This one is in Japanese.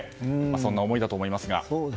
そんな思いだと思いますが。